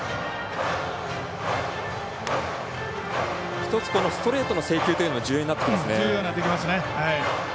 １つ、ストレートの制球というのが重要になってきますね。